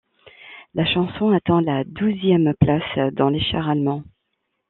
La chanson atteint la douzième place dans les charts allemands.